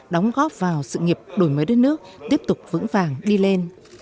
đóng góp vào sự nghiệp đổi mới đất nước tiếp tục vững vàng đi lên